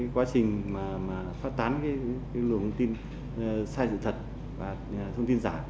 quá trình phát tán lượng thông tin sai dự thật và thông tin giả